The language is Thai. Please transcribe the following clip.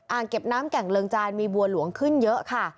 เก็บน้ำแก่งเลิงจานมีบัวหลวงขึ้นเยอะค่ะ